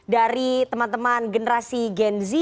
dari teman teman generasi gen z